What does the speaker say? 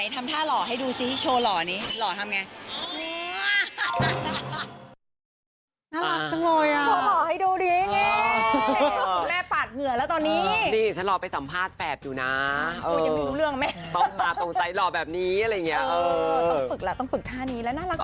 ทำท่าหล่อให้ดูซิโชว์หล่อนี้หล่อทำไง